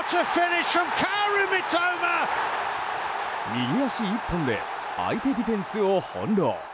右足一本で相手ディフェンスを翻弄。